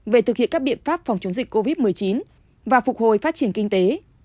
về thực hiện các biện pháp phòng chống dịch covid một mươi chín và phục hồi phát triển kinh tế